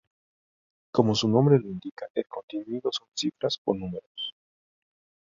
Como su nombre lo indica, el contenido son cifras o números.